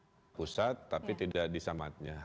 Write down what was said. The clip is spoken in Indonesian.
pemerintah pusat tapi tidak di samatnya